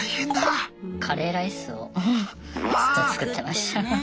カレーライスをずっと作ってました。